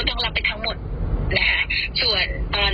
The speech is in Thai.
น้องแอมเค้าได้แต่งคณะในชั้นศาลอะไรพวกเงี้ยเรียบร้อยแล้วนะคะ